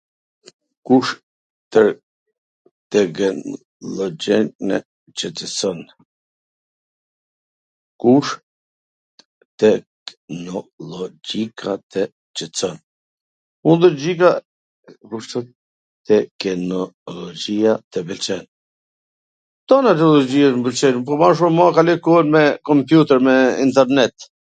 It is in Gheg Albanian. Kush teknollogjia tw pwlqen? Tan teknollogjia mw pwlqen, po ma shum ma e kaloj kohwn me kompjuter, me internet.